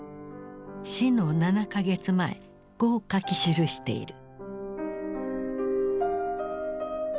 死の７か月前こう書き記している。